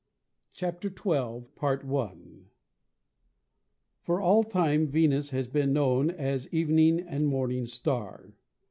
CHAPTER XII For all time Venus has been known as evening and morning star.